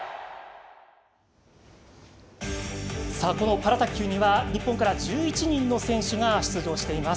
パラ卓球には日本から１１人の選手が出場しています。